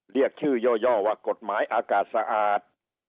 เรียกชื่อย่อว่ากฎหมายอากาศสะอาด